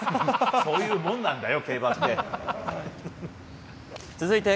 そういうもんなんだよ、競馬って。